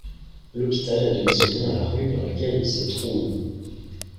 L'hôpital a donné son nom à la rue dans laquelle il se trouve.